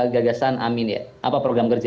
gagasan amin ya apa program kerja